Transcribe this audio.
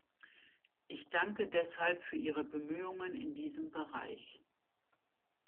Ich danke deshalb für Ihre Bemühungen in diesem Bereich!